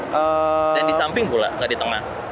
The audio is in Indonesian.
dan disamping pula gak ditengah